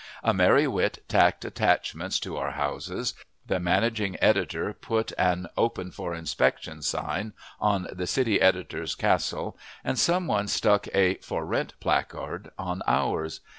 A merry wit tacked attachments to our houses, the managing editor put an "Open for Inspection" sign on the city editor's castle and some one stuck a "For Rent" placard on ours.